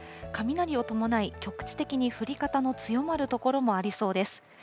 雷を伴い、局地的に降り方の強まる所もありそうです。